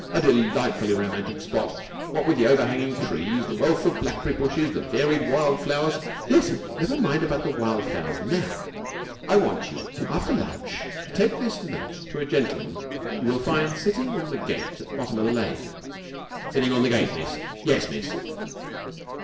"A delightfully romantic spot. What with the overhanging trees, the wealth of blackberry bushes, the varied wild flowers...." "Yes, never mind about the wild flowers now. I want you after lunch to take this note to a gentleman you will find sitting on the gate at the bottom of the lane...." "Sitting on the gate, miss. Yes, miss."